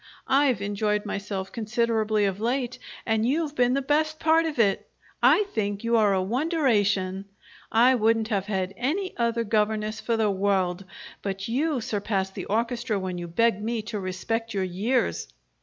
I've enjoyed myself considerably of late, and you've been the best part of it, I think you are a wonderation! I wouldn't have any other governess for the world, but you surpass the orchestra when you beg me to respect your years!